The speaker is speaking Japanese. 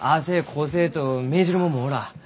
こうせえと命じる者もおらん。